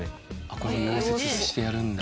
これ溶接してやるんだ。